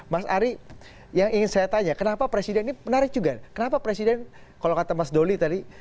mas ari yang ingin saya tanya kenapa presiden ini menarik juga kenapa presiden kalau kata mas doli tadi